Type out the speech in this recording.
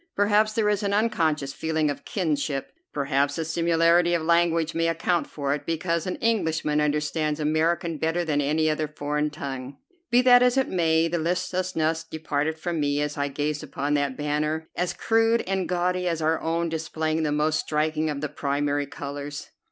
Perhaps there is an unconscious feeling of kinship; perhaps the similarity of language may account for it, because an Englishman understands American better than any other foreign tongue. Be that as it may, the listlessness departed from me as I gazed upon that banner, as crude and gaudy as our own, displaying the most striking of the primary colors.